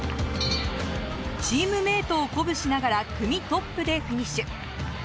チームメートを鼓舞しながら、組トップでフィニッシュ。